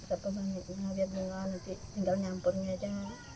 berapa banyaknya biar dulu nanti tinggal nyampurnya aja